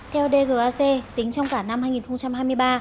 theo dgac tính trong cả năm hai nghìn hai mươi ba